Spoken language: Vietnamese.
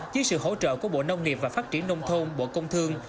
dưới sự hỗ trợ của bộ nông nghiệp và phát triển nông thôn bộ công thương